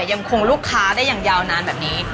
ยังคงลูกค้าได้อย่างยาวนานแบบนี้